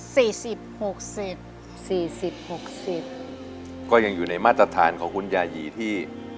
สิบหกเสร็จสี่สิบหกสิบก็ยังอยู่ในมาตรฐานของคุณยายีที่